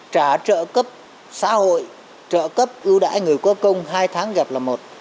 trả trợ cấp xã hội trợ cấp ưu đãi người có công hai tháng gặp là một